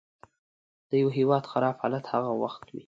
د یوه هیواد خراب حالت هغه وخت وي.